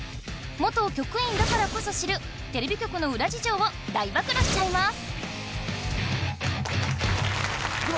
元局員だからこそ知るテレビ局の裏事情を大暴露しちゃいます！